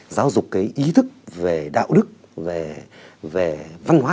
giáo dục cái ý thức về đạo đức về văn hóa